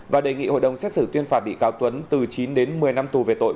và đề nghị hội đồng xét xử tuyên phạt bị cáo tuấn từ chín đến một mươi năm tù về tội